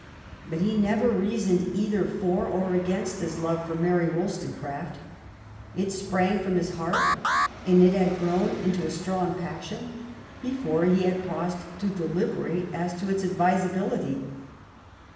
But he never reasoned either for or against his love for Mary WoUstonecraft. It sprang from his heart, and it had grown into a strong pas sion before he had paused to deliberate as to its. advisability.